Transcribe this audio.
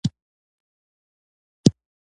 د ښي او کیڼ هره برخه په دوو برخو ویشل شوې ده.